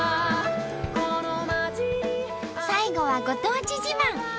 最後はご当地自慢。